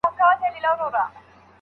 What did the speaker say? د خلګو چلند ته په مسکا ځواب ورکړئ.